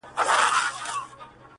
څوک د مئين سره په نه خبره شر نه کوي-